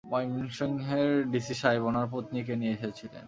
ময়মনসিংহের D, C, সাহেব ওনার পত্নীকে নিয়ে এসেছিলেন।